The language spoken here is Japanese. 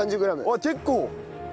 あっ結構。